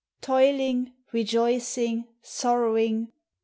Toiling, rejoicing, sorrowing.